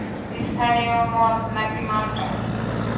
স্থানীয় মদ নাকি মাল্টা?